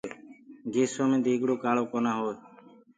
گيسو مي ديگڙو ڪآݪو ڪونآ هوئي۔